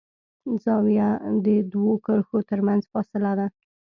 زاویه د دوو کرښو تر منځ فاصله ده.